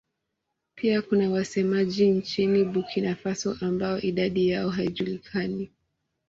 Pia kuna wasemaji nchini Burkina Faso ambao idadi yao haijulikani.